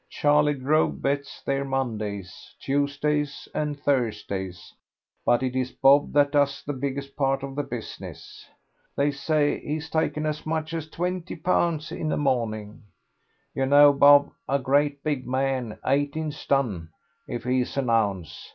Charley Grove bets there Mondays, Tuesdays, and Thursdays, but it is Bob that does the biggest part of the business. They say he's taken as much as twenty pounds in a morning. You know Bob, a great big man, eighteen stun if he's an ounce.